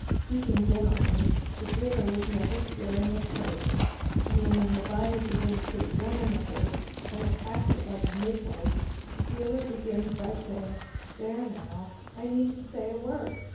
! Speaking generally the dealer is never sparing of praises and when the buyer begins to examine the horse and attacks it like a midwife the dealer begins by saying "There now, I needn't say a word.